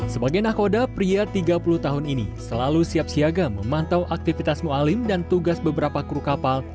sebagai nahkoda pria tiga puluh tahun ini selalu siap siaga memantau aktivitas ⁇ mualim ⁇ dan tugas beberapa kru kapal